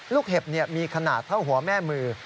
เห็บมีขนาดเท่าหัวแม่มือ